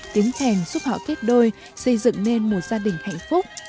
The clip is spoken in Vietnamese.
tiếng khen giúp họ kết đôi xây dựng nên một gia đình hạnh phúc